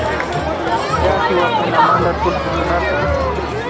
Tiyak kiwakunamanta tullpukunata